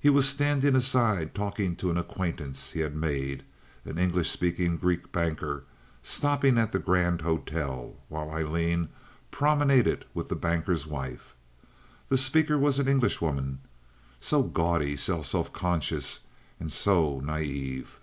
He was standing aside talking to an acquaintance he had made—an English speaking Greek banker stopping at the Grand Hotel—while Aileen promenaded with the banker's wife. The speaker was an Englishwoman. "So gaudy, so self conscious, and so naive!"